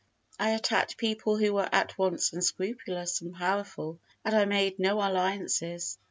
I attacked people who were at once unscrupulous and powerful, and I made no alliances.